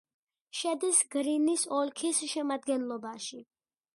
შედის გრინის ოლქის შემადგენლობაში.